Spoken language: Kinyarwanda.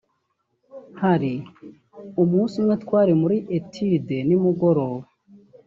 hari umunsi umwe twari muri études nimugoroba